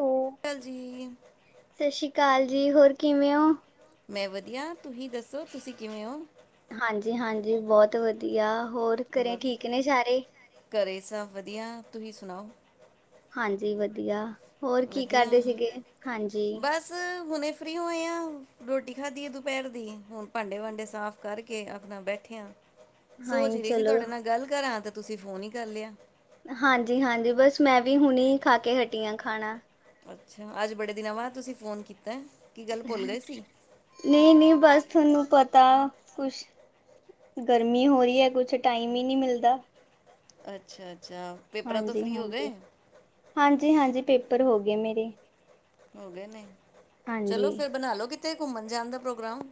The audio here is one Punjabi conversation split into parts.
ਲੋ। ਚਲ ਜੀ ਸਸ ਸ਼੍ਰੀ ਕਾਲ ਜੀ, ਹੋਰ ਕਿਵੇਂ ਓਂ? ਮੈਂ ਵਧੀਆ। ਤੁਹੀ ਦੱਸੋ, ਤੁਸੀ ਕਿਵੇਂ ਓ? ਹਾਂਜੀ-ਹਾਂਜੀ ਬੋਤ ਵਧੀਆ। ਹੋਰ ਘਰੇ ਵ- ਠੀਕ ਨੇ ਸਾਰੇ? ਘਰੇ ਸਭ ਵਧੀਆ। ਤੁਹੀ ਸੁਨਾਓ? ਹਾਂਜੀ ਵਧੀਆ। ਹੋਰ ਕੀ ਕਰਦੇ ਸੀਗੇ? ਹਾਂਜੀ। ਅ ਹੁਨੇ ਫ੍ਰੀ ਹੋਏ ਆਂ। ਰੋਟੀ ਖਾਧੀ ਐ ਦੁਪੈਰ ਦੀ। ਹੂਨ ਭਾਂਡੇ-ਵਾਡੇ ਸਾਫ਼ ਕਰਕੇ ਆਪਨਾ ਬੈਠੇ ਆਂ। [inaudible] ਸੋਚ ਈ ਰਈ ਸੀ ਚਲੋ ਤੁਆਡੇ ਨਾਲ ਗੱਲ ਕਰਾਂ ਤੇ ਤੁਸੀ ਫੋਨ ਈ ਕਰ ਲਿਆ। ਹਾਂਜੀ-ਹਾਂਜੀ, ਬਸ ਮੈਂ ਵੀ ਹੁਨੇ ਈ ਖਾ ਕੇ ਹਟੀ ਆ ਖਾਣਾ। ਅੱਛਾ, ਅੱਜ ਬੜੇ ਦਿਨਾਂ ਬਾਦ ਤੁਸੀ ਫੋਨ ਕੀਤੈ। ਕੀ ਗੱਲ ਭੁੱਲ ਗਏ ਸੀ? ਨਈ-ਨਈ, ਬਸ ਤੁਆਨੂੰ ਪਤਾ ਕੁਛ ਗਰਮੀ ਹੋ ਰੀ ਐ, ਕੁਛ ਟਾਈਮ ਈ ਨੀ ਮਿਲਦਾ। ਅੱਛਾ-ਅੱਛਾ। ਪੇਪਰਾਂ ਤੋਂ ਫ੍ਰੀ ਹੋ ਗਏ? ਹਾਂਜੀ-ਹਾਂਜੀ, ਹਾਂਜੀ-ਹਾਂਜੀ, ਪੇਪਰ ਹੋ ਗੇ ਮੇਰੇ। ਹੋ ਗੇ ਨੇ। ਹਾਂਜੀ, ਚਲੋ ਫੇਰ ਬਨਾ ਲੋ ਕਿਤੇ ਘੁੰਮਨ ਜਾਨ ਦਾ ਪ੍ਰੋਗਰਾਮ।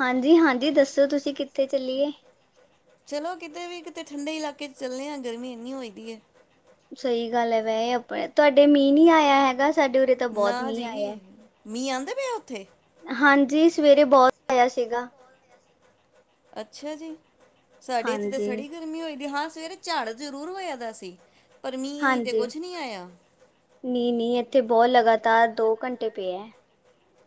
ਹਾਂਜੀ-ਹਾਂਜੀ ਦੱਸੋ ਤੁਸੀ ਕਿੱਥੇ ਚੱਲੀਏ? ਚਲੋ ਕਿਤੇ ਵੀ। ਕਿਤੇ ਠੰਡੇ ਇਲਾਕੇ 'ਚ ਚਲਨੇ ਆਂ, ਗਰਮੀ ਇੰਨੀ ਹੋਈ ਦੀ ਏ। ਸਈ ਗੱਲ ਐ ਵੈ ਐ ਆਪਨੇ ਤੁਆਡੇ ਮੀਂਅ ਨੀ ਆਇਆ ਹੈਗਾ। ਸਾਡੇ ਉਰੇ ਤਾਂ ਬੋਤ ਮੀਂਅ ਆਇਐ। ਮੀਂਅ ਆਂਦੇ ਪਿਐ ਓਥੇ? ਹਾਂਜੀ ਸਵੇਰੇ ਬੋਤ ਆਇਆ ਸੀਗਾ। ਅੱਛਾ ਜੀ! ਸਾਡੇ ਏੱਥੇ ਤਾਂ ਹਾਂਜੀ ਸੜੀ ਗਰ ਮੀ ਹੋਈ ਦੀ ਏ। ਹਾਂ ਸਵੇਰੇ ਝਾੜ ਜਰੂਰ ਹੋਇਆ ਦਾ ਸੀ। ਪਰ ਮੀਂਅ ਤੇ ਕੋਛ ਨੀ ਆਇਆ। ਨੀ-ਨੀ ਏੱਥੇ ਬੋ ਲਗਾਤਾਰ ਦੋ ਘੰਟੇ ਪਿਐ।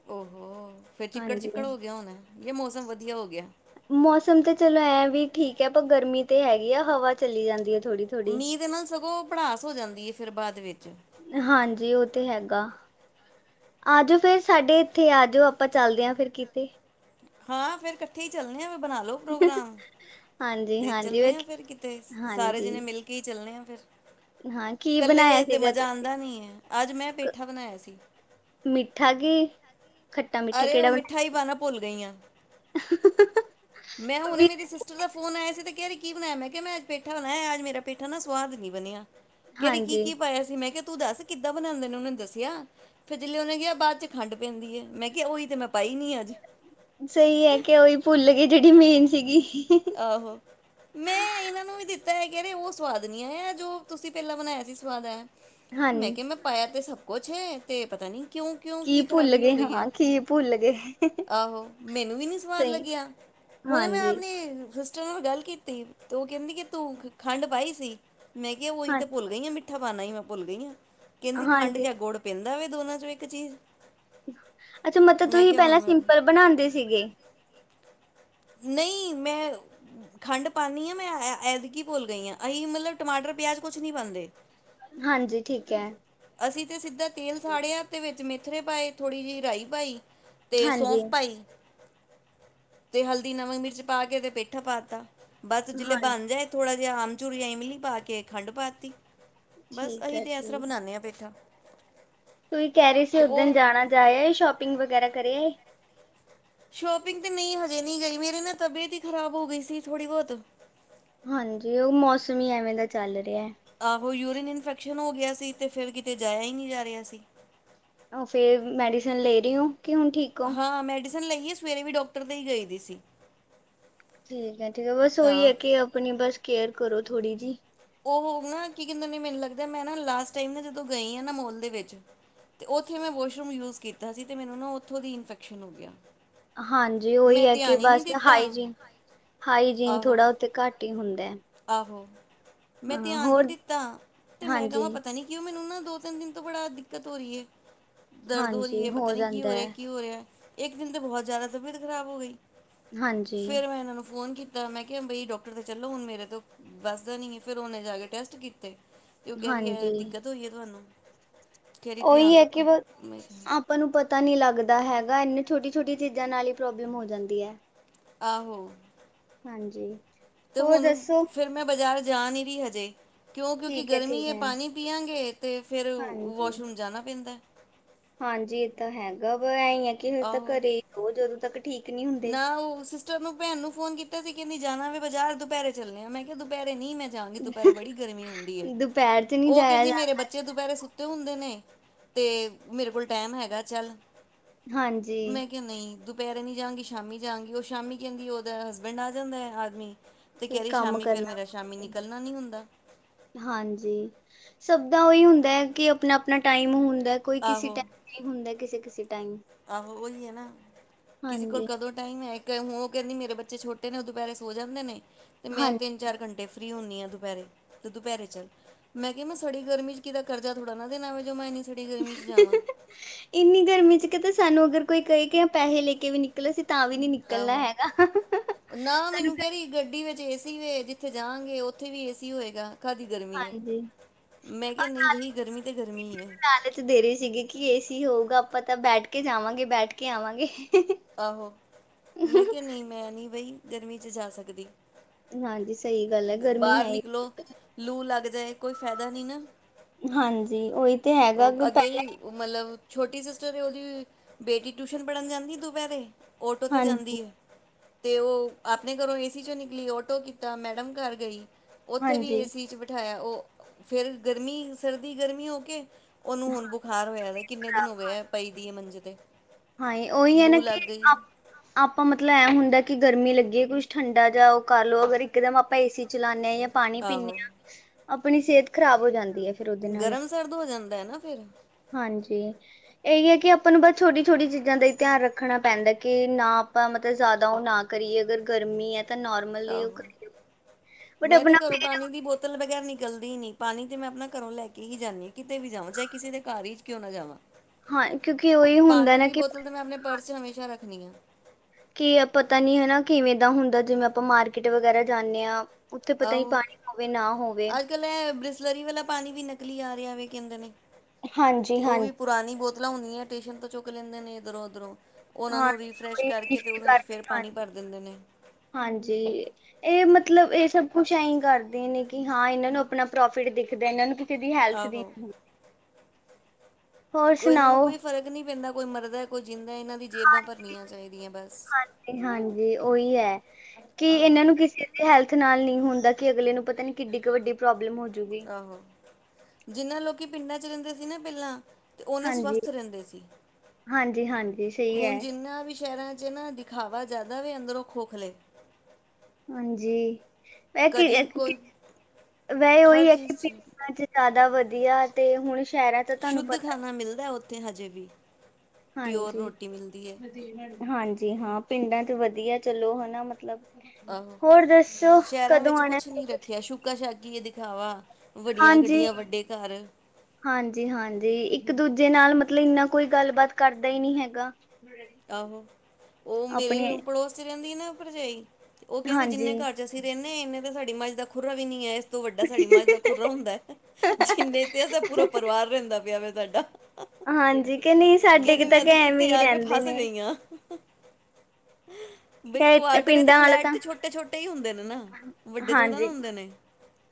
ਓ ਹੋ ਫੇਰ ਚਿੱਕੜ-ਚਿੱਕੜ ਹਾਂਜੀ। ਹੋ ਗਿਆ ਹੋਨੈ ਕੇ ਮੌਸਮ ਵਧੀਆ ਹੋ ਗਿਐ? ਮੌਸਮ ਤੇ ਚਲੋ ਐਂ ਵੀ ਠੀਕ ਐ ਪਰ ਗਰਮੀ ਤੇ ਹੈ ਈ ਏ। ਹਵਾ ਚਲੀ ਜਾਂਦੀ ਏ ਥੋੜੀ ਮੀਂਅ ਦੇ ਨਾਲ ਸਗੋਂ ਭੜਾਸ ਹੋ ਜਾਂਦੀ ਏ ਫੇਰ, ਬਾਦ ਵਿੱਚ। ਹਾਂਜੀ ਓ ਤੇ ਹੈਗਾ। ਆ ਜੋ ਫੇਰ ਸਾਡੇ ਏੱਥੇ ਆ ਜੋ। ਆਪਾਂ ਚੱਲਦੇ ਆਂ ਫੇਰ ਕਿਤੇ। ਹਾਂ, ਫੇਰ ਕੱਠੇ ਈ ਚਲਨੇ ਆਂ, ਬਨਾ ਲੋ ਪ੍ਰੋਗਰਾਮ, ਹਾਂਜੀ ਤੇ ਹਾਂਜੀ ਵੇ ਚੱਲਨੇ ਆਂ ਫੇਰ ਕਿਤੇ। ਸਾਰੇ ਹਾਂਜੀ ਜਨੇ ਮਿਲ ਕੇ ਈ ਚੱਲਨੇ ਆਂ ਫਿਰ। ਹਾਂ ਕੀ ਕੱਲੇ ਬਣਾਇਆ ਤੇ ਸੀਗਾ ਮਜਾ ਤੁਸੀਂ? ਆਂਦਾ ਨੀਂ ਐ। ਅੱਜ ਮੈਂ ਕ- ਪੇਠਾ ਬਨਾਏਆ ਸੀ। ਮਿੱਠਾ ਕਿ ਅਰੇ, ਓ ਮਿੱਠਾ ਈ ਪਾਨਾ ਭੁੱਲ ਗਈ ਆਂ। ਬਣਾਇਆ? ਮੈਂ ਹੁਨੇ ਵੀ ਮੇਰੀ ਸਿਸਟਰ ਦਾ ਫੋਨ ਆਏਆ ਸੀ, ਤੇ ਕੇਹ ਰਈ ਕੀ ਬਨਾਏਆ, ਮੈਂ ਕੇਆ ਮੈਂ ਅੱਜ ਪੇਠਾ ਬਨਾਏਆ, ਅੱਜ ਮੇਰਾ ਪੇ ਠਾ, ਨਾ ਸਵਾਦ ਨੀ ਬਨੇਆ, ਕੇਹ ਰਈ ਹਾਂਜੀ ਕੀ-ਕੀ ਪਾਏਆ ਸੀ? ਮੈਂ ਕੇਆ ਤੂੰ ਦੱਸ ਕਿੱਦਾਂ ਬਨਾਂਦੇ ਨੇ, ਓਨੇ ਮੈਨੂੰ ਦੱਸੇਆ ਫੇਰ ਜੇਲੇ, ਓਨੇ ਕੇਆ ਬਾਦ 'ਚ ਖੰਡ ਪੈਂਦੀ ਐ। ਮੈਂ ਕੇਆ ਓਈ ਤੇ ਮੈਂ ਪਾਈ ਨੀਂ ਐ ਅੱਜ। ਸਈ ਐ ਕਿ ਓਈ ਭੁੱਲ ਗਏ ਜੇਹੜੀ ਮੇਨ ਸੀਗੀ। ਆਹੋ। ਮੈਂ ਇਨਾਂ ਨੂੰ ਵੀ ਦਿੱਤਾ, ਏ ਕੇਨੇ ਓ ਸਵਾਦ ਨੀਂ ਆਏਆ ਜੋ ਤੁਸੀ ਪੈਲਾਂ ਬਨਾਏਆ ਸੀ, ਸਵਾਦ ਆਏਆ। ਹਾਂ ਮੈਂ ਕੇਆ, ਮੈਂ ਪਾਏਆ ਤੇ ਸਭ ਕੁਛ ਐ। ਤੇ ਪਤਾ ਨੀ ਕਿਉਂ ਕਿਓਂ ਕੀ ਭੁੱਲ ਖ਼ਰਾਬੀ ਹੋ ਗਏ ਗਈ ਐ, ਹਾਂ ਕੀ ਭੁੱਲ ਗਏ ਆਹੋ ਮੈਨੂੰ ਵੀ ਨੀ ਸਵਾਦ ਸਹੀ ਲੱਗੇਆ। ਹੁਨ ਮੈਂ ਹਾਂਜੀ। ਆਪਨੀ। ਸਿਸਟਰ ਨਾਲ ਗੱਲ ਕੀਤੀ ਤੇ ਓ ਕੇਂਦੀ ਕਿ ਤੂੰ ਖੰਡ ਪਾਈ ਸੀ, ਮੈਂ ਕੇਆ ਓਈ ਹਾਂ ਤੇ ਭੁੱਲ ਗਈ। ਗਈ ਆਂ, ਮਿੱਠਾ ਪਾਨਾ ਈ ਮੈਂ ਭੁੱਲ ਗਈ ਆ, ਕੇਂਦੀ ਖੰਡ ਹਾਂਜੀ ਜਾਂ ਗੁੜ ਪੈਂਦਾ ਵੇ ਦੋਨਾਂ ਚੋਂ ਇੱਕ ਚੀਜ਼ ਅੱਛਾ, ਮਤਲਬ ਮੈਂ ਤੁਸੀਂ ਕਿਹਾ ਹੁਣ ਪੈਲਾਂ ਮੈਂ ਸਿੰਪਲ ਬਣਾਂਦੇ ਸੀਗੇ। ਨਈਂ ਮੈਂ ਖੰਡ ਪਾਨੀਂ ਆਂ ਮੈਂ, ਐਤਕੀਂ ਭੁਲ ਗਈ ਆਂ। ਅਸੀ ਮਤਲਬ ਟਮਾਟਰ, ਪਿਆਜ ਕੁਛ ਨਹੀਂ ਪਾਂਦੇ। ਹਾਂਜੀ ਠੀਕ ਐ। ਅਸੀਂ ਤੇ ਸਿੱਧਾ ਤੇਲ ਸਾੜੇਆ, ਤੇ ਵਿੱਚ ਮੇਥਰੇ ਪਾਏ ਥੋੜ੍ਹੀ ਜੇਈ ਰਾਈ ਪਾਈ। ਤੇ ਹਾਂਜੀ ਸੌਂਫ ਪਾਈ ਤੇ ਹਲਦੀ, ਨਮਕ, ਮਿਰਚ ਪਾ ਕੇ ਤੇ ਪੇਠਾ ਪਾਤਾ। ਬਸ ਜਿਲੇ ਹਾਂ ਬਣ ਜਾਏ, ਥੋੜ੍ਹਾ ਜਿਹਾ ਆਮਚੁਰ ਆਂ ਈਂਮਿਲੀ ਪਾ ਕੇ ਖੰਡ ਪਾਤੀ। ਬਸ ਠੀਕ ਅਸੀਂ ਹੈ ਤਾਂ, ਐ ਸਰਾਂ ਜੀ ਬਣਾਨਦੇ ਆਂ ਪੇਠਾ। ਤੁਸੀਂ ਕੇਹ ਰਏ ਸੀ, ਤੇ ਓਸ ਦਿਨ ਉਹ ਜਾਨਾ, ਜਾ ਆਏ ਸ਼ੋਪਿੰਗ ਵਗੈਰਾ ਕਰੇ ਆਏ। ਸ਼ੋਪਿੰਗ ਤੇ ਨਈਂ, ਹਜੇ ਨਹੀਂ ਗਈ। ਮੇਰੀ ਨਾ ਤਬੀਅਤ ਈ ਖਰਾਬ ਹੋ ਗਈ ਸੀ ਥੋੜੀ ਬੌਤ। ਹਾਂਜੀ, ਓ ਮੌਸਮ ਈ ਐਵੇਂ ਦਾ ਚੱਲ ਰੇਆ। ਆਹੋ ਯੂਰੀਨ ਇਨਫੈਕਸ਼ਨ ਹੋ ਗੇਆ ਸੀ, ਤੇ ਫੇਰ ਕਿਤੇ ਜਾਏਆ ਈ ਨੀਂ ਜਾ ਰੇਆ ਸੀ। ਓ ਫੇਰ ਮੈਡੀਸਨ ਲੇ ਰਏ ਓਂ। ਕੀ ਹੁਨ ਠੀਕ ਹੋ। ਹਾਂ, ਮੈਡੀਸਨ ਲਈ ਏ ਸਵੇਰੇ ਵੀ ਡਾਕਟਰ ਦੇ ਈ ਗਏ ਦੀ ਸੀ। ਠੀਕ ਐ-ਠੀਕ ਐ। ਬਸ ਤਾਂ ਓਈ ਐ ਕਿ ਆਪਨੀ ਬਸ ਕੇਅਰ ਕਰੋ ਥੋੜੀ ਜੀ। ਓਹੋ ਨਾ ਕੀ ਕੇਂਦੇ ਨੇ, ਮੈਨੂੰ ਲੱਗਦੈ ਮੈਂ ਨਾ ਲਾਸਟ ਟਾਈਮ ਨਾ ਜਦੋਂ ਗਈ ਆਂ ਨਾ ਮੋਲ ਦੇ ਵਿੱਚ ਤੇ ਓਥੇ ਮੈਂ ਵਾਸ਼ਰੂਮ ਯੂਜ ਕੀਤਾ ਸੀ, ਤੇ ਮੈਨੂੰ ਨਾ ਓਥੋਂ ਦੀ ਇਨਫੈਕਸ਼ਨ ਹੋ ਗੇਆ। ਹਾਂਜੀ, ਓਈ ਐ ਕਿ ਬਸ ਦਿੱਤਾ ਹਾਈਜੀਨ-ਹਾਈਜੀਨ ਆਹੋ ਥੋੜਾ ਓਥੇ ਘੱਟ ਈ ਹੁੰਦੈ। ਆਹੋ, ਮੈਂ ਧੇਆਨ ਨੀਂ ਦਿੱਤਾ ਤੇ ਮੈਂ ਹਾਂਜੀ ਕਵਾਂ ਪਤਾ ਨੀਂ ਕਿਉਂ, ਮੈਨੂੰ ਨਾ ਦੋ- ਤਿੰਨ ਦਿਨ ਤੋਂ ਬੜਾ ਦਿੱਕਤ ਹੋ ਰਈ ਐ। ਦਰਦ ਹੋ ਹਾਂਜੀ ਰਈ ਐ, ਪਤਾ ਨੀ ਕੀ ਜਾਂਦਾ ਹੋ ਰੇਐ, ਹੈ ਕੀ ਹੋ ਰੇਐ? ਏਕ ਦਿਨ ਤਾਂ ਬਹੁਤ ਜਾਦਾ ਤਬੀਅਤ ਖ਼ਰਾਬ ਹੋ ਗਈ, ਹਾਂਜੀ ਫੇਰ ਮੈਂ ਇਨਾਂ ਨੂੰ ਫੋਨ ਕੀ ਤਾ, ਮੈਂ ਕੇਆ ਬਈ ਡਾਕਟਰ ਦੇ ਚੱਲੋ ਹੁਨ ਮੇਰੇ ਤੋ ਬਸ ਦਾ ਨਈ ਐ, ਫੇਰ ਓਨੇ ਜਾ ਕੇ ਟੈਸਟ ਕੀਤੇ। ਤੇ, ਓ ਕੇਹ ਰਈ ਐ ਹਾਂਜੀ ਦਿੱਕਤ ਹੋਈ ਐ ਤੁਆਨੂੰ ਕੇਹ ਰੀ ਉਹੀ ਧੇਆਨ ਹੈ ਕਿ ਰੱਖੋ। ਬਸ ਮੈਂ ਆਪਾਂ ਨੂੰ ਪਤਾ ਨੀ ਲੱਗਦਾ ਹੈਗਾ, ਇਨੇ ਛੋਟੀ- ਛੋਟੀ ਚੀਜਾਂ ਨਾਲ ਈ ਪ੍ਰੋਬਲਮ ਹੋ ਜਾਂਦੀ ਐ। ਆਹੋ। ਹਾਂਜੀ। ਤੇ ਹੋਰ ਹੁਨ, ਦੱਸੋ ਫੇਰ ਮੈਂ ਬਜਾਰ ਜਾ ਨੀਂ ਰਈ ਹਜੇ। ਕਿਉਂ, ਕਿਉਂਕਿ ਠੀਕ ਹੈ ਗਰਮੀ ਠੀਕ ਐ ਹੈ ਪਾਨੀ ਪੀਆਂਗੇ ਤੇ ਫੇਰ ਹਾਂਜੀ ਵੋਸ਼ਰੂਮ ਜਾਨਾ ਪੈਂਦਾ। ਹਾਂਜੀ, ਏ ਤਾਂ ਹੈਗਾ ਵਾ, ਐਂ ਈ ਐ, ਕਿ ਜਾ ਤਾਂ ਆਹੋ ਘਰੇ ਈ ਰੋ ਜਦੋਂ ਤੱਕ ਠੀ ਨਾ, ਓ, ਸਸ ਚਰਨੋ ਭੈਨ ਨੂੰ ਫੋਨ ਕੀਤਾ ਸੀ, ਕੈਂਦੀ ਜਾਨਾ ਵੇ ਬਜਾਰ ਦੁਪੈਰੇ ਚੱਲਨੇ ਆਂ, ਮੈਂ ਕੇਆ ਦੁਪੈਰੇ ਨੀ ਮੈਂ ਜਾਂਗੀ, ਦੁਪੈਰੇ ਬੜੀ ਗਰਮੀ ਹੁੰਦੀ ਏ, ਦੁਪਹਿਰ 'ਚ ਨਹੀਂ ਓ ਜਾਇਆ ਕੈਂਦੀ ਮੇਰੇ ਬੱਚ ਜਾਂਦਾ ਬੱਚੇ ਦੁਪੈਰੇ ਸੁੱਤੇ ਹੁੰਦੇ ਨੇ, ਤੇ ਮੇਰੇ ਕੋਲ ਟੈਮ ਹੈਗੈ, ਚੱਲ। ਹਾਂਜੀ। ਨਈਂ ਦੁਪੈਰੇ ਨੀ ਜਾਂਗੀ ਸ਼ਾਮੀ ਜਾਂਗੀ, ਓ ਸ਼ਾਮੀ ਕੈਂਦੀ ਓਦਾ ਹਸਬੈਂਡ ਆ ਜਾਂਦੈ, ਆਦਮੀ ਤੇ ਫਿਰ ਕੈਰੀ ਕੰਮ ਸ਼ਾਮੀ ਫੇਰ ਕਰਨਾ ਮੇਰਾ ਸ਼ਾਮੀ, ਪੈਂਦਾ ਨਿਕਲਨਾ ਨੀ ਹੁੰਦਾ। ਹਾਂਜੀ, ਸਬ ਦਾ ਓਈ ਹੁੰਦੈ, ਕਿ ਅਪਨਾ-ਅਪਨਾ ਟਾਈਮ ਹੁੰ ਦੈ, ਕੋਈ ਕਿਸੀ ਆਹੋ ਟਾਈਮ ਫ੍ਰੀ ਹੁੰਦੈ, ਕਿਸੀ-ਕਿਸੀ ਟਾਈਮ। ਆਹੋ ਓਈ ਏ ਨਾ, ਕਿਸੀ ਕੋਲ ਹਾਂਜੀ ਕਦੋਂ ਟਾਈਮ ਹੈ, ਇੱਕ ਹੂੰ ਓ ਕੈਂਦੀ ਮੇਰੇ ਬੱਚੇ ਛੋਟੇ ਨੇ ਦੁਪੈਰੇ ਸੌ ਜਾਂਦੇ ਨੇ, ਤੇ ਮੈਂ ਹਾਂਜੀ ਤਿੰਨ ਚਾਰ ਘੰਟੇ ਫ੍ਰੀ ਹੂਨੀ ਆਂ ਦੁਪੈਰੇ, ਤੇ ਦੁਪੈਰੇ ਚੱਲ। ਮੈਂ ਕੇਆ ਮੈਂ ਸੜੀ ਗਰਮੀ ਚ ਕਿਦਾ ਕਰਜਾ ਥੋੜਾ ਨਾ ਦੇਨਾ ਵੇ, ਜੋ ਮੈਂ ਇੰਨੀ ਸੜੀ ਗਰਮੀ ਚ ਜਾਵਾਂ। ਇੰਨੀ ਗਰਮੀ ਚ ਕਿਤੇ ਸਾਨੂੰ ਅਗਰ ਕੋਈ ਕਏ ਕਿ ਆਂ ਪੈਹੇ ਲੈ ਕੇ ਵੀ ਨਿਕ ਨਿਕਲੋ ਅਸੀ ਤਾਂ ਵੀ ਨੀ ਨਿਕਲਨਾ ਹੈਗਾ, ਸਾਨੂੰ ਗ ਕੈਰੀ ਗੱਡੀ ਵਿੱਚ ਏ ਸੀ ਵੇ, ਜਿੱਥੇ ਜਾਂਗੇ ਓਥੇ ਵੀ ਏ ਸੀ ਹੋਏਗਾ ਕਾਅ ਦੀ ਗਰਮੀ ਏ, ਹਾਂਜੀ ਮੈਂ ਕੇਆ ਨਈ ਬਈ ਗਰਮੀ ਤੇ ਗਰਮੀ ਏ। ਚ ਦੇਰੇ ਸੀਗੀ ਕਿ ਏ ਸੀ ਹੋਊਗਾ ਆਪਾਂ ਤਾਂ ਬੈਠ ਕੇ ਜਾਵਾਂਗੇ ਬੈਠ ਕੇ ਆਵਾਂਗੇ। ਆਹੋ, ਮੈਂ ਕੇਆ ਨਈ ਮੈਂ ਨਈ ਬਈ ਗਰਮੀ ਚ ਜਾਂ ਸਕਦੀ। ਹਾਂਜੀ, ਸਈ ਗਾੱਲ ਐ ਗਰਮੀ ਬਾਹਰ ਹੈ ਈ ਨਿਕਲੋ ਲੂ ਲਾੱਗ ਜਾਏ ਕੋਈ ਫੈਦਾ ਨੀ ਨਾਂ। ਹਾਂਜੀ, ਓਈ ਓ ਅੱਗੇ ਵੀ ਮਲਬ ਛੋਟੀ ਸਿਸਟਰ ਏ, ਓਦੀ ਬੇਟੀ ਟਿਊਸ਼ਨ ਪੜਨ ਜਾਂਦੀ ਏ ਦੁਪੈਰੇ ਔਟੋ ਤੇ ਹਾਂਜੀ ਜਾਂਦੀ ਏ। ਤੇ ਓ ਆਪਣੇ ਘਰੋਂ ਏ ਸੀ ਚੋਂ ਨਿਕਲੀ, ਔਟੋ ਕੀਤਾ ਮੈੜਮ ਘਾਰ ਗਈ, ਓਥੇ ਵੀ ਹਾਂਜੀ ਏ ਸੀ ਚ ਬਠਾਏਆ ਓ ਫੇਰ ਗਰਮੀ, ਸਰਦੀ, ਗਰਮੀ ਹੋ ਕੇ ਓਨੂੰ ਹਾਂ ਹੁਨ ਬੁਖਾਰ ਹੋਏਐ ਦੈ, ਕਿੰਨੇ ਦਿਨ ਹੋ ਗਏ ਐ ਪਈ ਦੀ ਏ ਮੰਜੇ ਤੇ। ਹਾਂਈ, ਓਈ ਐ ਨਾ ਲੂ ਕਿ ਲੱਗ ਗਈ ਆਪ ਆਪਾਂ ਮਤਲ ਐਂ ਹੁੰਦੈ ਕਿ ਗਰਮੀ ਲੱਗੀ ਏ ਕੁੱਛ ਠੰਡਾ ਜਾ ਓ ਕਾਰ ਲੋ, ਅਗਰ ਇੱਕਦਮ ਅਪਾਂ ਏ ਸੀ ਚਲਾਨੇ ਆ ਯਾ ਪਾਣੀ ਪੀਨੇ ਆਹੋ ਆ, ਅਪਣੀ ਸੇਤ ਖਰਾਬ ਹੋ ਜਾਂਦੀ ਏ। ਗਰਮ ਸਰਦ ਹੋ ਜਾਂਦੈ ਨਾ ਫੇਰ। ਹਾਂਜੀ, ਏਈ ਏ ਕਿ ਆਪਾਂ ਨੂੰ ਬਾੱਸ ਛੋਟੀ ਛੋਟੀ ਚੀਜਾਂ ਦਾ ਈ ਧੇਆਨ ਰੱਖਣਾ ਪੈਂਦੈ, ਕਿ ਨਾ ਆਪਾਂ ਮਤਲਬ ਜਾਦਾ ਓ ਨਾ ਕਰੀਏ ਅਗਰ ਗਰਮੀ ਏ ਤਾਂ ਨੋਰਮਲ ਮਲ ਈ ਓ ਕ ਆਹੋ ਮੈਂ ਤੇ ਘਰੋਂ ਪਾਨੀ ਦੀ ਬੋਤਲ ਬਗੈਰ ਨਿਕਲਦੀ ਈ ਨੀ, ਪਾਨੀ ਤੇ ਮੈਂ ਅਪਨਾ ਘਰੋਂ ਲੈ ਕੇ ਈ ਜਾਂਨੀ ਆਂ, ਕਿਤੇ ਵੀ ਜਾਵਾਂ ਚਾਏ ਕਿਸੇ ਦੇ ਘਾਰ ਈ ਕਿਉਂ ਨਾ ਜਾਵਾਂ। ਹਾਂ, ਕਿਉਂਕਿ ਓਈ ਹੁੰਦੈ ਪਾਣੀ ਨਾ ਦੀ ਕਿ ਬੋਤਲ ਤੇ ਮੈਂ ਅਪਨੇ ਪਰਸ ਚ ਹਮੇਸ਼ਾ ਰੱਖਨੀ ਆਂ। ਕੀ ਐ ਪਤਾ ਨੀ ਹੈਨਾ ਕਿਵੇਂ ਦਾ ਹੁੰਦੈ, ਜਿਵੇਂ ਅਪਾਂ ਮਾਰਕੀਟ ਵਗੈਰਾ ਜਾਨੇ ਆਂ ਉਥੇ ਪਤਾ ਨੀ ਪਾਣੀ ਹੋਵੇ, ਨਾ ਹੋਵੇ। ਅੱਜ-ਕੱਲ ਐ ਬ੍ਰਿਸਲਰੀ ਵਾਲਾ ਪਾਨੀ ਵੀ ਨਕਲੀ ਆ ਰੇਆ ਵੇ ਕੈਂਦੇ ਨੇ, ਹਾਂਜੀ ਕਿ ਓ ਹਾਂਜੀ ਵੀ ਪੁਰਾਨੀ ਬੋਤਲਾਂ ਹੁੰਦੀਐਂ ਟੇਸ਼ਨ ਤੋਂ ਚੁੱਕ ਲੈਂਦੇ ਨੇ, ਇੱਦਰੋਂ ਉਦਰੋ। ਓਨਾਂ ਨੂੰ ਹਾਂਜੀ ਰੀਫਰੈਸ਼ ਉਹੀ ਕਾਰਕੇ, ਤੇ ਰੀਫਿਲ ਓਨਾਂ ਚ ਕਰਕੇ ਫੇਰ ਪਾਨੀ ਹਾਂਜੀ ਭਾਰ ਦੇਂਦੇ ਨੇ। ਹਾਂਜੀ। ਏ ਮਤਲਬ ਏ ਸਭ ਕੁਛ ਐਈਂ ਕਰਦੇ ਨੇ, ਕੀ ਹਾਂ ਏਨਾਂ ਨੂੰ ਆਪਣਾ ਪ੍ਰੋਫਿਟ ਦਿਖਦਾ ਏਨਾਂ ਨੂੰ। ਦੀ ਹੈਲਥ ਦੀ। ਆਹੋ ਹੋਰ ਕੋਈ ਏਨਾਂ ਨੂੰ ਸੁਣਾਓ ਕੋਈ ਫਰਕ ਨੀ ਪੈਂਦਾ ਕੋਈ ਮਰਦਾ ਕੋਈ ਜਿੰਦਾ, ਏਨਾਂ ਦੀ ਜੇਬਾਂ ਭਰਨੀਆਂ ਚਾਈਦੀਆਂ ਬਸ। ਤੇ ਹਾਂਜੀ ਓਈ ਐ ਕਿ ਆਹੋ ਏਨਾਂ ਨੂੰ ਕਿਸੇ ਹੈਲਥ ਨਾਲ ਨੀ ਹੁੰਦਾ ਕੀ ਅਗਲੇ ਨੂੰ ਪਤਾ ਨੀ ਕਿੱਡੀ ਕੀ ਵੱਡੀ ਪ੍ਰੋਬਲਮ ਹੋ ਆਹੋ ਜਿੰਨਾਂ ਲੋਕੀ ਪਿੰਡਾਂ 'ਚ ਰੈਂਦੇ ਸੀ ਨਾ ਪੈਲਾਂ ਤੇ ਓਨੇ ਹਾਂਜੀ ਸਵਸਥ ਰੈਂਦੇ ਸੀ। ਹਾਂਜੀ ਹਾਂਜੀ ਸਹੀ ਹੈ ਹੁਣ ਜਿੰਨਾ ਵੀ ਸੈ਼ਰਾਂ 'ਚ ਏ ਨਾ ਖਾਵਾ ਜਾਦਾ ਵੇ ਅੰਦਰੋਂ ਖੋਖ ਲੇ। ਹਾਂਜੀੈ ਵੈ ਕੀ ਕਦੀ ਕੋਈ ਵ‌ਏ ਓਈ ਹਰ ਐ ਚੀਜ਼ ਕੀ ਪਿੰਡਾਂ 'ਚ ਜਾਦਾ ਵਧੀਆ ਤੇ ਹੁਣ ਸੈ਼ਰਾਂ 'ਚ ਤੁਹਾਨੂੰ ਸ਼ੁੱਧ ਪਤਾ ਖਾਣਾ ਮਿਲਦਾ ਓਥੇ ਹਜੇ ਵੀ, ਪਿਓਰ ਹਾਂਜੀ ਰੋਟੀ ਮਿਲਦੀ ਏ। ਹਾਂਜੀ ਹਾਂ ਪਿੰਡਾਂ 'ਚ ਵਧੀਆ ਚਲੋ ਹਨਾ ਮਤਲਬ। ਆਹੋ ਹੋਰ ਦੱਸੋ ਸੈ਼ਰਾਂ ਕਦੋਂ ਵਿੱਚ ਆਣਾ ਕੁਛ ਫਿਰ ਨੀ ਤੁਸੀਂ ਰੱਖਿਆ ਸ਼ੁ ਛੂਕਾ ਛਾਕੀ ਏ ਦਿਖਾਵਾ, ਵੱਡੀਆਂ ਹਾਂਜੀ ਗੱਡੀਆਂ- ਵੱਡੇ ਘਰ। ਹਾਂਜੀ ਹਾਂਜੀ ਇੱਕ ਦੂਜੇ ਨਾਲ ਮਤਲਬ ਇੰਨਾ ਕੋਈ ਗੱਲਬਾਤ ਕਰਦਾ ਈ ਨੀ ਹੈਗਾ। ਆਹੋ ਓ ਮੇਰੇ ਆਪਣੇ ਪੜੋਸ ਤੇ ਰੈਂਦੀ ਏ ਨਾ ਭਰਜਾਈ, ਓ ਕੈਂਦੀ ਹਾਂਜੀ ਜਿੰਨੇ ਘੱਟ ਜਿਥੇ ਅਸੀਂ ਰੈਣੇ, ਏਨੇ ਤੇ ਸਾਡੀ ਮਝ ਦਾ ਖੁਰਰਾ ਵੀ ਨੀ ਐ। ਇਸ ਤੋਂ ਵੱਡਾ ਸਾਡੀ ਮੱਝ ਦਾ ਖੁਰਰਾ ਖੁਰਾ ਹੁੰਦਾ। ਜਿੰਨੇ ਤੇ ਅਸਾ ਪੂਰਾ ਪਰਿਵਾਰ ਰੈਂਦਾ ਪਿਆ ਵੇ ਤਾਡਾ। ਹਾਂਜੀ ਕਿ ਨ‌ਈ ਸਾਡੇ ਕਿ ਤਾਂ ਕ ਕਿੱਥੇ ਐਵੇ ਈ ਆ ਕੇ ਰਹਿੰਦੇ ਨੇ। [unintelligible] ਬਈ ਕੁਆਟਰ ਏ ਤੇ ਪਿੰਡਾਂ ਵਾਲੇ ਫਲੈਟ ਤਾਂ ਤੇ ਛੋਟੇ ਛੋਟੇ ਹੀ ਹੁੰਦੇ ਨੇ ਨਾ, ਵੱਡੇ ਥੋੜੇ ਨਾ ਹਾਂਜੀ ਹੁੰਦੇ ਨੇ।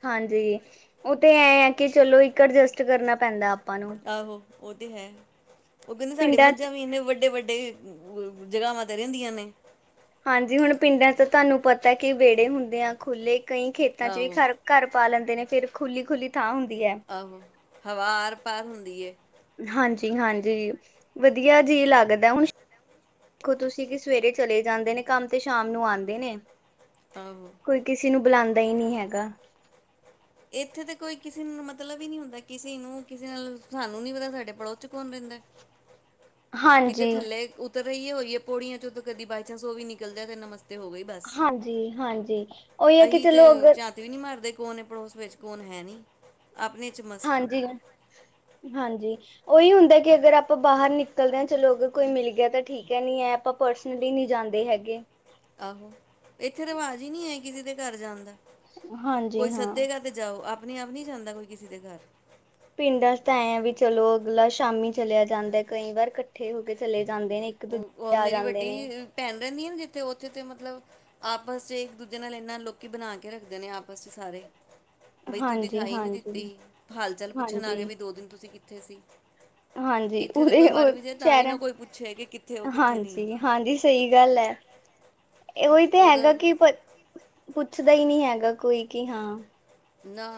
ਹਾਂਜੀ ਓ ਤੇ ਐਂ ਆ ਕਿ ਚਲੋ ਇੱਕ ਅਡਜਸਟ ਕਰਨਾ ਪੈਂਦਾ। ਨੂੰ ਆਹੋ ਓ ਤੇ ਹੈ ਓ ਕੈਂਦੇ ਸਾਡੀ ਪਿੰਡਾਂ ਮੱਝਾਂ ਵੀ ਏਨੇ ਵੱਡੇ ਵੱਡੇ ਜਗ੍ਹਾਵਾਂ ਤੇ ਰੈਂਦੀਆਂ ਨੇ। ਹਾਂਜੀ ਹੁਣ ਪਿੰਡਾਂ 'ਚ ਤਾਨੂੰ ਪਤਾ ਕੀ ਵੇੜੇ ਹੁੰਦੇ ਆ ਖੁੱਲ੍ਹੇ, ਕਈ ਖੇਤਾਂ 'ਚ ਵੀ ਆਹੋ ਘਰ ਘਰ ਪਾ ਲੈਂਦੇ ਨੇ ਫੇਰ ਖੁੱਲੀ ਖੁੱਲੀ ਥਾਂ ਹੁੰਦੀ ਐ। ਆਹੋ ਹਵਾ ਆਰ ਪਾਰ ਹੁੰਦੀ ਏ। ਹਾਂਜੀ ਹਾਂਜੀ ਜੀ ਵਧੀਆ ਜੀ ਲੱਗਦਾ ਹੁਣ। ਦੇਖੋ ਤੁਸੀਂ ਕੀ ਸਵੇਰੇ ਚਲੇ ਜਾਂਦੇ ਨੇ ਕੰਮ ਤੇ ਸ਼ਾਮ ਨੂੰ ਆਂਦੇ ਨੇ। ਆਹੋ। ਕੋਈ ਕਿਸੀ ਨੂੰ ਬਲਾਂਦਾ ਈ ਨੀ ਹੈਗਾ। ਏਥੇ ਤੇ ਕੋਈ ਕਿਸੇ ਨੂੰ ਮਤਲਬ ਈ ਨੀ ਹੁੰਦਾ, ਕਿਸੀ ਨੂੰ ਕਿਸੇ ਨਾਲ ਸਾਨੂੰ ਨੀ ਪਤਾ ਸਾਡੇ ਪੜੋਸ 'ਚ ਕੌਣ ਰੈਂਦਾ। ਕਿਤੇ ਹਾਂਜੀ ਥੱਲੇ ਉਤਰ ਰ‌ਈ ਹੋਈ ਏ ਪੌੜੀਆਂ 'ਚੋਂ ਕਦੀ ਬਏ ਚਾਂਸ ਓ ਵੀ ਨਿਕਲ ਜਾਏ ਤੇ ਨਮਸਤੇ ਹੋ ਗ‌ਈ। ਹਾਂਜੀ ਹਾਂਜੀ। ਉਹੀ ਹੈ ਕਿ ਅਹੀ ਤੇ ਚਲੋ ਅਗਰ ਚਾਤ ਵੀ ਨੀ ਮਾਰਦੇ ਕੌਣ ਏ ਪੜੋਸ ਵਿੱਚ ਕੌਣ ਹੈ ਨੀ ਆਪਣੇ 'ਚ ਮਸਤ ਹਾਂਜੀ -ਹਾਂਜੀ। ਓਈ ਹੁੰਦਾ ਕਿ ਅਗਰ ਆਪਾਂ ਬਾਹਰ ਨਿਕਲਦੇ ਆਂ ਚਲੋ ਅਗਰ ਕੋਈ ਮਿਲ ਗਿਆ ਤਾਂ ਠੀਕ ਠੀਕ ਐ ਨੀ ਐ ਆਪਾਂ ਪਰਸਨਲੀ ਨੀ ਜਾਂਦੇ ਹੈਗੇ। ਆਹੋ ਏਥੇ ਰਿਵਾਜ ਈ ਨੀ ਐ ਕਿਸੇ ਦੇ ਘਰ ਜਾਣ ਦਾ। ਕੋਈ ਹਾਂਜੀ ਹਾਂ ਸੱਦੇਗਾ ਤੇ ਜਾਓ, ਆਪਣੇ ਆਪ ਨੀ ਜਾਂਦਾ ਕੋਈ ਕਿਸੇ ਦੇ ਘਰ। ਪਿੰਡਾਂ 'ਚ ਤਾਂ ਐਂ ਆ ਵੀ ਚਲੋ ਅਗਲਾ ਸ਼ਾਮੀ ਚਲਿਆ ਜਾਂਦਾ, ਕਈ ਵਾਰ ਕੱਠੇ ਹੋ ਕੇ ਚੱਲੇ ਜਾਂਦੇ ਨੇ। ਓ ਦੂਜੇ ਆ ਮੇਰੀ ਜਾਂਦੇ ਨੇ ਵੱਡੀ ਭੈਣ ਰੈਂਦੀ ਐ ਨਾ ਜਿੱਥੇ ਓਥੇ ਤੇ ਮਤਲਬ ਆਪਸ 'ਚ ਇੱਕ ਦੂਜੇ ਨਾਲ ਏਨਾਂ ਲੋਕੀ ਬਣਾ ਕੇ ਰੱਖਦੇ ਨੇ ਆਪਸ 'ਚ ਸਾਰੇ। ਬਈ ਤੂੰ ਹਾਂਜੀ ਦਿਖਾਈ ਹੀਂ ਨਹੀਂ ਹਾਂਜੀ ਦਿੱਤੀ, ਹਾਲ ਚਾਲ ਪੁੱਛਣ ਆ ਹਾਂਜੀ ਗਏ ਬਈ ਦੋ ਦਿਨ ਤੁਸੀਂ ਕਿੱਥੇ ਸੀ। ਹਾਂਜੀ ਇੱਥੇ ਤੇ ਉਰੇ ਕੋਈ ਮਰ ਵੀ ਜਾਏ ਤਾਂ ਵੀ ਨਾ ਕੋਈ ਪੁੱਛੇ ਕੀ ਕਿ ਹੋ ਕਿੱਥੇ ਨਹੀਂ ਹਾਂਜੀ-ਹਾਂਜੀ ਸਹੀ ਗੱਲ ਹੈ, ਇਹ ਉਹੀ ਤੇ ਹੈਗਾ ਉਹਦਾ ਕਿ ਪਤ ਪੁੱਛਦਾ ਹੀ ਨਹੀਂ ਹੈਗਾ ਕੋਈ ਕਿ ਹਾਂ ਨਾ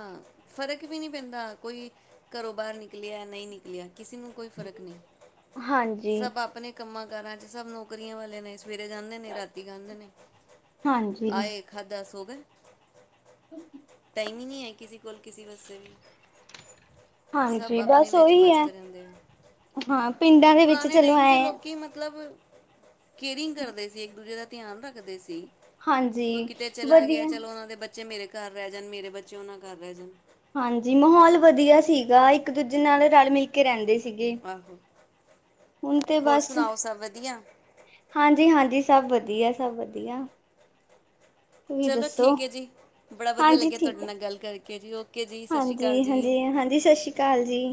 ਫ਼ਰਕ ਵੀ ਨਹੀਂ ਪੈਂਦਾ ਕੋਈ ਘਰੋਂ ਬਾਹਰ ਨਿਕਲਿਆ ਨਹੀਂ ਨਿਕਲਿਆ ਕਿਸੇ ਨੂੰ ਕੋਈ ਫਰਕ ਨਈਂ, ਹਾਂਜੀ ਸਭ ਆਪਣੇ ਕੰਮਾਂ ਕਾਰਾਂ ਚ ਸਭ ਨੌਕਰੀਆਂ ਵਾਲੇ ਨੇ, ਸਵੇਰੇ ਜਾਂਦੇ ਨੇ ਰਾਤੀ ਆਂਦੇ ਨੇ। ਹਾਂਜੀ। ਖਾਧਾ ਸੋ ਗਏ। ਟਾਈਮ ਹੀ ਨਹੀ ਹੈ ਕਿਸੇ ਕੋਲ ਕਿਸੇ ਵਸਤੇ ਵੀ। ਸਭ ਹਾਂਜੀ ਆਪਣੇ ਬਸ ਵਿੱਚ ਉਹੀ ਹੈ ਮਸਤ ਰੈਂਦੇ ਹੈ। ਹਾਂ ਪਿੰਡਾਂ ਦੇ ਵਿੱਚ ਪੁਰਾਣੇ ਚਲੋ ਟਾਈਮ ਚ ਐ ਲੋਕੀ ਮਤਲਬ ਕੇਅਰਿੰਗ ਕਰਦੇ ਸੀ ਇੱਕ ਦੂਜੇ ਦਾ ਧਿਆਨ ਰੱਖਦੇ ਸੀ। ਹਾਂਜੀ ਕੋਈ ਕਿਤੇ ਚਲਾ ਗਿਆ ਵਧੀਆ ਚਲੋ ਉਹਨਾਂ ਦੇ ਬੱਚ ਬੱਚੇ ਮੇਰੇ ਘਰ ਰਹਿ ਜਾਣ, ਮੇਰੇ ਬੱਚੇ ਉਹ ਨਾ ਘਰ ਰਹਿ ਜਾਣ। ਹਾਂਜੀ ਮਾਹੌਲ ਵਧੀਆ ਸੀਗਾ ਇੱਕ ਦੂਜੇ ਨਾਲ ਰਲ ਮਿਲ ਕੇ ਰੈਂਦੇ ਸੀਗੇ। ਆਹੋ ਹੁਣ ਤੇ ਹੋਰ ਬਸ ਸੁਣਾਓ ਸਭ ਵਧੀਆ ਹਾਂਜੀ-ਹਾਂਜੀ ਸਭ ਵਧੀਆ ਸਭ ਵਧੀਆ। ਤੁਸੀਂ ਚਲੋ ਦੱਸੋ? ਠੀਕ ਹੈ ਜੀ। ਬੜਾ ਵਧੀਆ ਲੱਗਿਆ ਤੁਹਾਡੇ ਨਾਲ ਗੱਲ ਕਰਕੇ ਜੀ ਓਕ। ਹਾਂਜੀ-ਹਾਂਜੀ-ਹਾਂਜੀ ਸਤਿ ਸ਼੍ਰੀ ਅਕਾਲ ਜੀ।